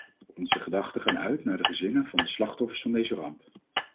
Onze gedachten gaat uit naar de gezinnen van de slachtoffers van deze ramp.